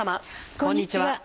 こんにちは。